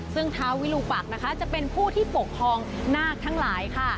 ซึ่งท้าวิลูปักนะคะจะเป็นผู้ที่ปกครองนาคทั้งหลายค่ะ